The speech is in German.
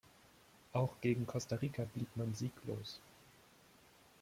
Auch gegen Costa Rica blieb man sieglos.